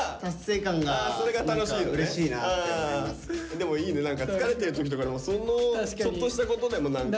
でもいいね何か疲れてる時とかでもそのちょっとしたことでも何か。